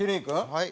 はい。